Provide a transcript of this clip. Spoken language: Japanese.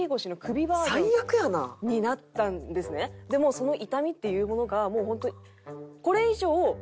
その痛みっていうものがもう本当に。